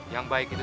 yang baik itu